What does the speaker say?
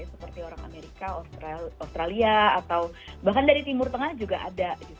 seperti orang amerika australia atau bahkan dari timur tengah juga ada